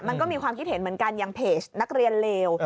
มันก็มีความคิดเห็นเหมือนกันอย่างเพจนักเรียนเลว